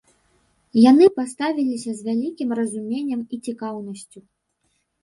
Яны паставіліся з вялікім разуменнем і цікаўнасцю.